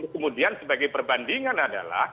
kemudian sebagai perbandingan adalah